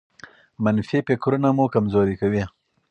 منفي فکرونه مو کمزوري کوي.